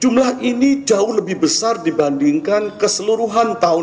jumlah ini jauh lebih besar dibandingkan keseluruhan tahun dua ribu empat belas